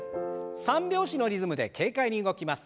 三拍子のリズムで軽快に動きます。